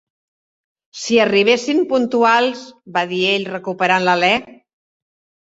"Si arribéssim puntuals!" va dir ell, recuperant l'alè.